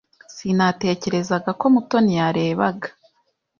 Sinatekerezaga ko Mutoni yarebaga.